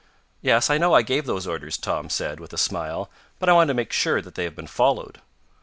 "Yes, I know I gave those orders," Tom said, with a smile, "but I want to make sure that they have been followed."